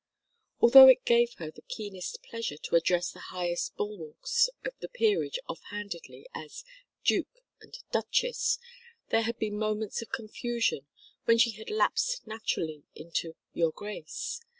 Although it gave her the keenest pleasure to address the highest bulwarks of the peerage off handedly as "duke" and "duchess," there had been moments of confusion when she had lapsed naturally into "your grace."